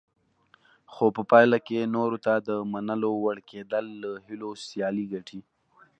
خو په پایله کې نورو ته د منلو وړ کېدل له هیلو سیالي ګټي.